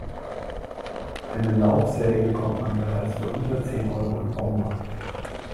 Eine Laubsäge bekommt man bereits für unter zehn Euro im Baumarkt.